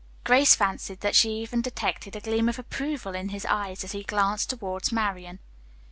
Grace fancied that she even detected a gleam of approval in his eyes as he glanced toward Marian.